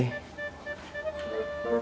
dengarkan penjelasan saya ini